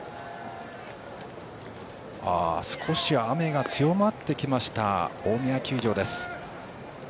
少し雨が強まってきました大宮球場です。